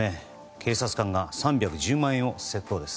警察官が３１０万円を窃盗です。